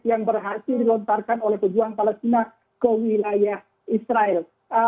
yang berhasil dilontarkan oleh pejuang palestina ke wilayah israel